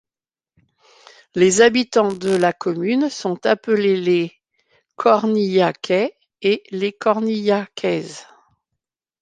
Les habitants de la commune sont appelés les Cornillacais et les Cornillacaises.